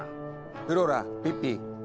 フローラピッピ。